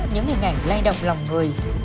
những hình ảnh lay đọc lòng người